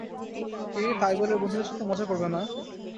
কি, তাই বলে ওর বন্ধুদের সাথে মজা করবে না?